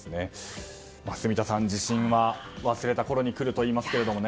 住田さん、地震は忘れたころに来るといいますが。